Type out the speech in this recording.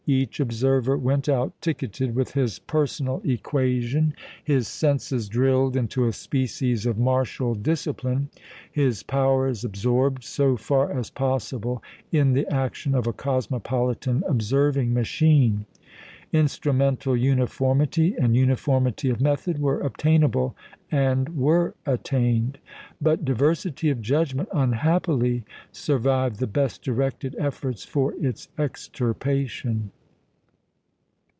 Each observer went out ticketed with his "personal equation," his senses drilled into a species of martial discipline, his powers absorbed, so far as possible, in the action of a cosmopolitan observing machine. Instrumental uniformity and uniformity of method were obtainable, and were attained; but diversity of judgment unhappily survived the best directed efforts for its extirpation.